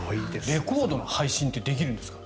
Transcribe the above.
レコードの配信ってできるんですか？